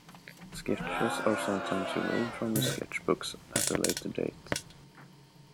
Sketches are sometimes removed from sketchbooks at a later date.